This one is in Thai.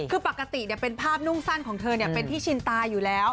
คือปกติเป็นภาพนุ่งสั้นของเธอเป็นที่ชินตาอยู่แล้ว